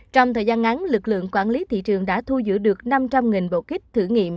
trong thời gian ngắn lực lượng quản lý thị trường đã thu giữ được năm trăm linh bộ kích thử nghiệm